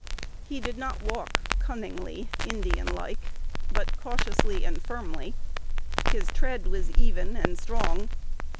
"He did not walk cunningly, Indian like, but cautiously and firmly." His tread was even and strong.